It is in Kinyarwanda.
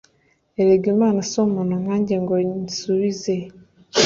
erega imana si umuntu nkanjye ngo nyisubize